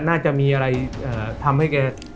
น่าจะมีอะไรทำให้แก